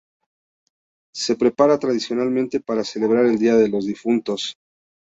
Se prepara tradicionalmente para celebrar el Día de los Difuntos.